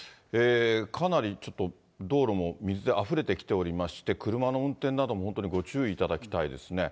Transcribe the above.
かなりちょっと道路も水であふれてきておりまして、車の運転なども本当にご注意いただきたいですね。